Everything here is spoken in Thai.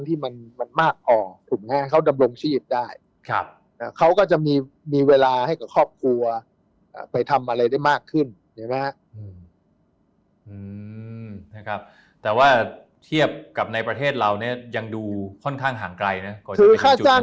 แต่ว่าเทียบกับในประเทศเรานี่ยังดูค่อนข้างห่างไกลนะ